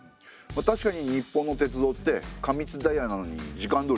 確かに日本の鉄道って過密ダイヤなのに時間どおり来ますもんね。